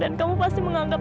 aku pengen banget